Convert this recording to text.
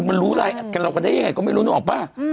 มันรู้ไลน์อัดกับเรากันได้ยังไงก็ไม่รู้นึกออกป่ะ